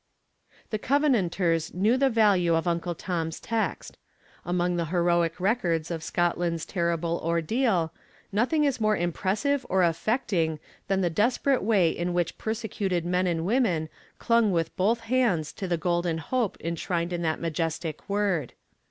_' VI The covenanters knew the value of Uncle Tom's text. Among the heroic records of Scotland's terrible ordeal, nothing is more impressive or affecting than the desperate way in which persecuted men and women clung with both hands to the golden hope enshrined in that majestic word.